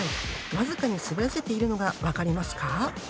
僅かに滑らせているのが分かりますか？